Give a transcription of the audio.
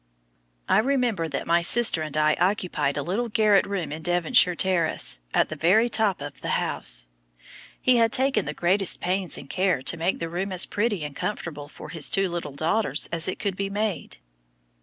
I remember that my sister and I occupied a little garret room in Devonshire Terrace, at the very top of the house. He had taken the greatest pains and care to make the room as pretty and comfortable for his two little daughters as it could be made.